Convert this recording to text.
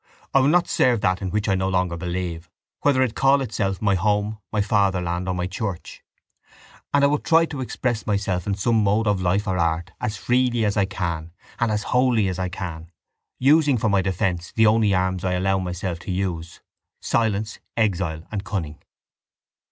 I will not serve that in which I no longer believe, whether it call itself my home, my fatherland, or my church: and I will try to express myself in some mode of life or art as freely as I can and as wholly as I can, using for my defence the only arms I allow myself to use—silence, exile and cunning.